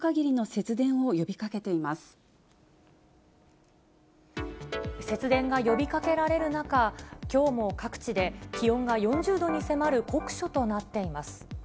節電が呼びかけられる中、きょうも各地で気温が４０度に迫る酷暑となっています。